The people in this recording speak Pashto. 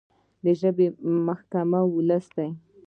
د ژبې محکمه ولس دی.